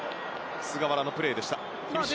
菅原のプレーでした。